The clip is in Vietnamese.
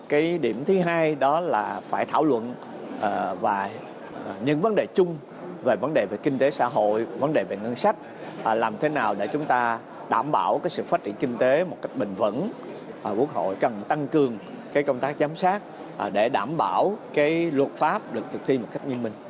kỳ họp này là kỳ họp cuối năm bàn những vấn đề quan trọng của đất nước tiếp tục với tinh thần đó thì tập trung lãnh đạo cho ký cơm phép